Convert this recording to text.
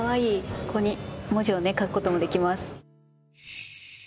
ここに文字を書く事もできます。